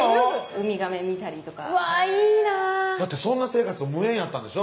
海亀見たりとかうわいいなだってそんな生活と無縁やったんでしょ？